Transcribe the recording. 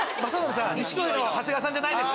錦鯉の長谷川さんじゃないです